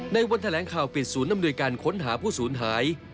ในวันแถลงข่าวปิดศูนย์อำนวยการค้นหาผู้สูญหาย